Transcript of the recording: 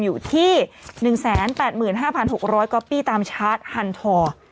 อยู่ที่๑๘๕๖๐๐ก๊อปปี้ตามชาร์จฮันทอ